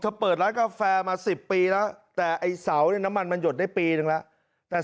เปิดร้านกาแฟมา๑๐ปีแล้วแต่ไอ้เสาเนี่ยน้ำมันมันหยดได้ปีนึงแล้ว